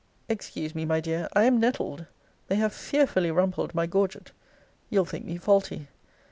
Excuse me, my dear. I am nettled. They have fearfully rumpled my gorget. You'll think me faulty.